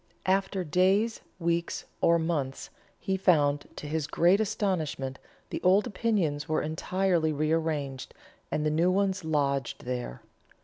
After days, weeks, or months, he found that to his great astonishment the old opinions were entirely rearranged, and new ones lodged there.